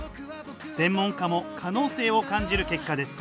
専門家も可能性を感じる結果です。